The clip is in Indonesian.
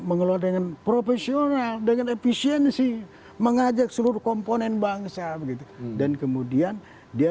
mengelola dengan profesional dengan efisiensi mengajak seluruh komponen bangsa begitu dan kemudian dia